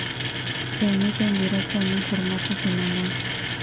Se emite en directo en un formato semanal.